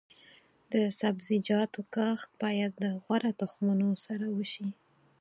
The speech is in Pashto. د سبزیجاتو کښت باید د غوره تخمونو سره وشي.